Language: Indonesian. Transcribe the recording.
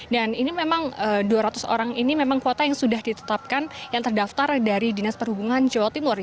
dan ini memang dua ratus orang ini memang kuota yang sudah ditetapkan yang terdaftar dari dinas perhubungan jawa timur